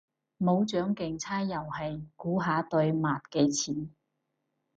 冇獎競猜遊戲，估下對襪幾錢？